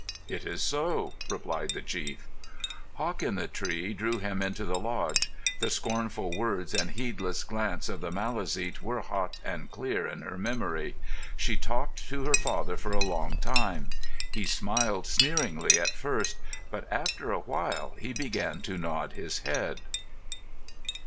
"It is so," replied the chief. Hawk in the Tree drew him into the lodge. The scornful words and heedless glance of the Maliseet were hot and clear in her memory. She talked to her father for a long time. He smiled sneeringly at first, but after a while he began to nod his head.